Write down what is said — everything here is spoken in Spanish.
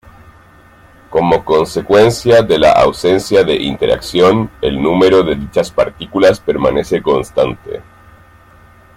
Como consecuencia de la ausencia de interacción, el número de dichas partículas permanece constante.